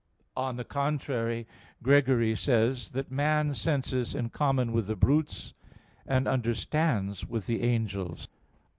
On the contrary, Gregory says (Hom. 29 in Ev.), that "man senses in common with the brutes, and understands with the angels."